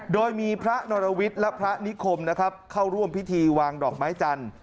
โดยมีพระนรวิทย์และพระนิคมนะครับเข้าร่วมพิธีวางดอกไม้จันทร์